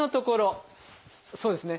そうですね。